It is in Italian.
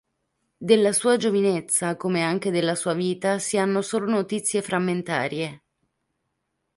Della sua giovinezza, come anche della sua vita, si hanno solo notizie frammentarie.